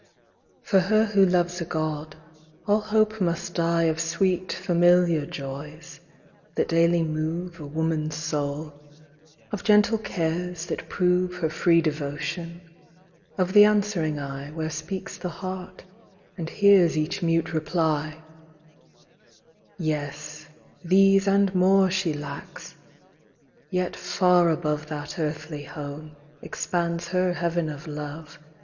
For her who loves a God, all hope must die Of sweet familiar joys, that daily move A woman's soul ; of gentle cares, that prove Her free devotion ; of the answering eye, Where speaks the heart, and hears each mute reply : Yes, these and more she lacks ; yet far above That earthly home, expands her heaven of love.